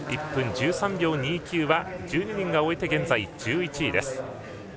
１分１３秒２９は１２人が終えて現在１１位です。